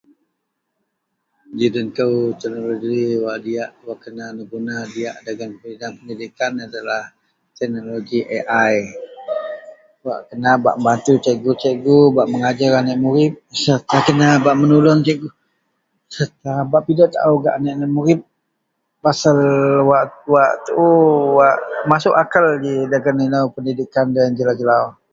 ji den kou teknologi wak diak wak kena guna diak dagen bidang pendidikan adalah teknologi Ai, wak kena bak membantu cikgu-cikgu bak megajer aneak murid serta kena bak menulung cikgu serta bak pidok taau aneak-aneak murid, pasal wak-wak tuu wak masuk akel ji dagen inou pendidikan loyien jelau-jelau